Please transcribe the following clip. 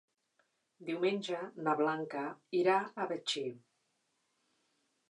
Diumenge na Blanca irà a Betxí.